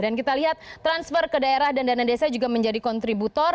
dan kita lihat transfer ke daerah dan dana desa juga menjadi kontributor